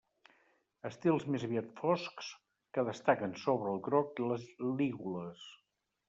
Estils més aviat foscs que destaquen sobre el groc de les lígules.